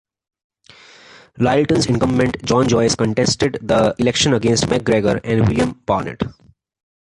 Lyttelton's incumbent, John Joyce contested the election against McGregor and William Barnett.